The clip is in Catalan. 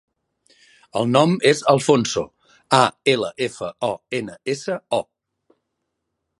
El nom és Alfonso: a, ela, efa, o, ena, essa, o.